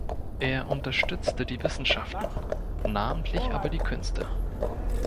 Er unterstützte die Wissenschaften, namentlich aber die Künste.